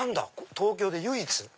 東京で唯一。